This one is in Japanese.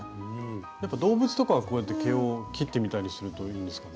やっぱ動物とかはこうやって毛を切ってみたりするといいんですかね。